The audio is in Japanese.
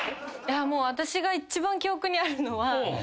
私が一番記憶にあるのは。